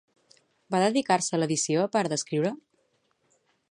Va dedicar-se a l'edició a part d'escriure?